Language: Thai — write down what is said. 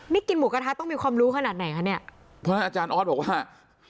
นี่กินหมูกระทะต้องมีความรู้ขนาดไหนคะเนี่ยเพราะฉะนั้นอาจารย์ออสบอกว่า